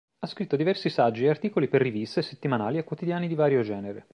Ha scritto diversi saggi e articoli per riviste, settimanali e quotidiani di vario genere.